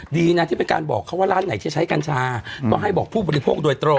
ดีนะที่เป็นการบอกเขาว่าร้านไหนจะใช้กัญชาก็ให้บอกผู้บริโภคโดยตรง